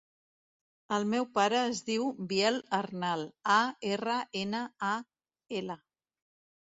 El meu pare es diu Biel Arnal: a, erra, ena, a, ela.